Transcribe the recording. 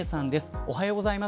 おはようございます。